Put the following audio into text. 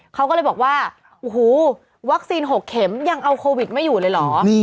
เขาก็เลยบอกว่าโอ้โหวัคซีน๖เข็มยังเอาโควิดไม่อยู่เลยเหรอ